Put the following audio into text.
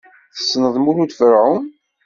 Tessneḍ Mulud Ferɛun?